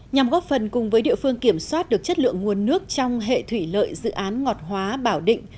nhằm góp phần cùng với địa phương kiểm soát được chất lượng nguồn nước trong hệ thủy lợi dự án ngọt hóa bảo định